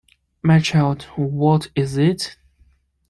My child, what is it?